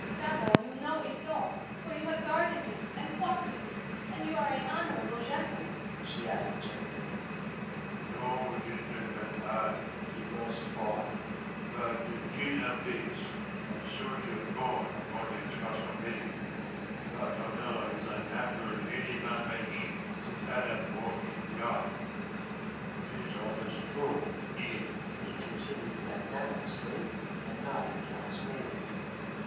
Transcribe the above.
Gabord, you know it so, for you have guarded him and fought with him, and you are an honourable gentleman," she added gently. "No gentleman I," he burst forth, "but jailer base, and soldier born upon a truss of hay. But honour is an apple any man may eat since Adam walked in garden.... 'Tis honest foe, here," he continued magnanimously, and nodded towards me.